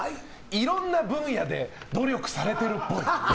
いろんな分野で努力されてるっぽい。